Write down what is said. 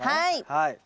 はい。